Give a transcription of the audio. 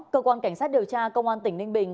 cơ quan cảnh sát điều tra công an tỉnh ninh bình